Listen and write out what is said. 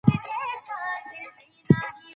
هیله د سختو ورځو لپاره تر ټولو ښه وسله ده.